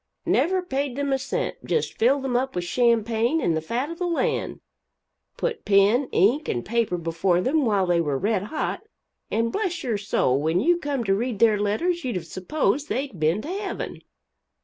Never paid them a cent; just filled them up with champagne and the fat of the land, put pen, ink and paper before them while they were red hot, and bless your soul when you come to read their letters you'd have supposed they'd been to heaven.